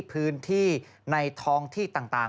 พื้นที่ในท้องที่ต่าง